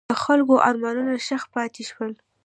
د خلکو ارمانونه ښخ پاتې شول.